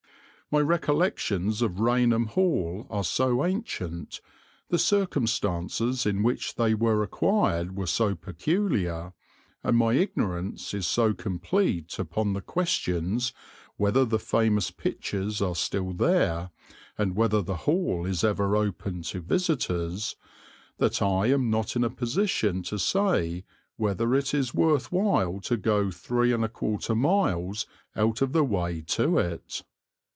My recollections of Rainham Hall are so ancient, the circumstances in which they were acquired were so peculiar, and my ignorance is so complete upon the questions whether the famous pictures are still there and whether the Hall is ever open to visitors, that I am not in a position to say whether it is worth while to go 3 1/4 miles out of the way to it.